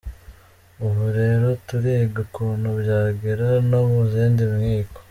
Ubu rero turiga ukuntu byagera no mu zindi nkiko.